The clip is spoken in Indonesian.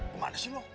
kemana sih lo